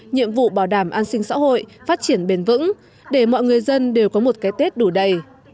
nhiệm vụ bảo đảm an sinh xã hội phát triển bền vững để mọi người dân đều có một cái tết đủ đầy